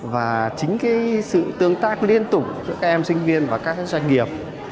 và chính sự tương tác liên tục giữa các em sinh viên và các doanh nghiệp